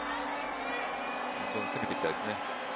攻めていきたいですね。